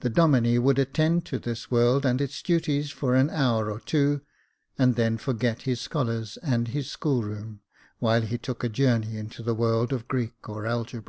The Domine would attend to this world and its duties for an hour or two, and then forget his scholars and his school room, while he took a journey into the world of Greek or algebra.